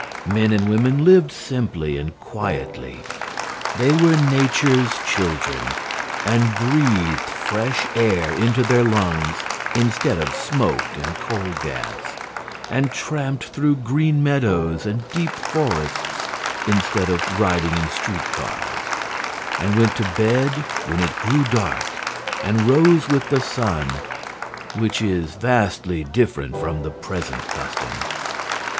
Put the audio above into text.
Men and women lived simply and quietly. They were Nature's children, and breathed fresh air into their lungs instead of smoke and coal gas; and tramped through green meadows and deep forests instead of riding in street cars; and went to bed when it grew dark and rose with the sun which is vastly different from the present custom.